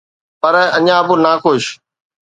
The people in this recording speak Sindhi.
پر اڃا به ناخوش.